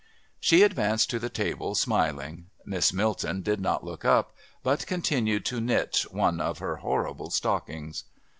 She advanced to the table smiling. Miss Milton did not look up, but continued to knit one of her horrible stockings.